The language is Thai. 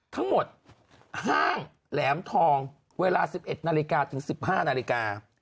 ห้างแหลมทองเวลา๑๑นาฬิกาถึง๑๕นาฬิกา